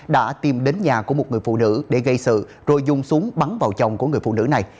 đã tìm đến nhà của một người phụ nữ để gây sự rồi dùng súng bắn vào chồng của người phụ nữ này